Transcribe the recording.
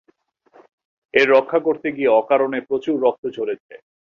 এর রক্ষা করতে গিয়ে অকারণে প্রচুর রক্ত ঝরেছে।